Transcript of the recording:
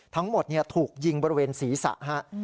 ทั้งหมดถูกยิงบริเวณศีรษะฮะ